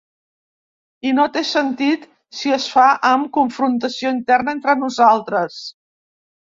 I no té sentit si es fa amb confrontació interna entre nosaltres.